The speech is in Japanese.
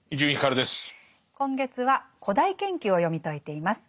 今月は「古代研究」を読み解いています。